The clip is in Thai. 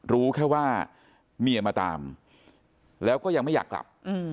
รู้แค่ว่าเมียมาตามแล้วก็ยังไม่อยากกลับ